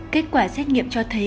kết quả xét nghiệm cho thấy